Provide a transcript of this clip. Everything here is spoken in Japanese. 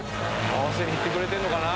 合わせにいってくれてんのかな？